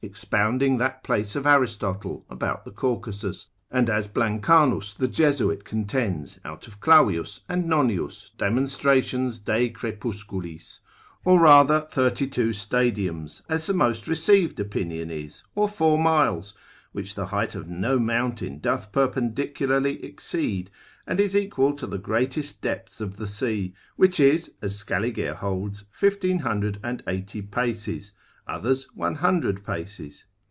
expounding that place of Aristotle about Caucasus; and as Blancanus the Jesuit contends out of Clavius and Nonius demonstrations de Crepusculis: or rather 32 stadiums, as the most received opinion is; or 4 miles, which the height of no mountain doth perpendicularly exceed, and is equal to the greatest depths of the sea, which is, as Scaliger holds, 1580 paces, Exer. 38, others 100 paces.